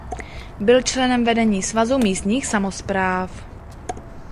Byl členem vedení Svazu místních samospráv.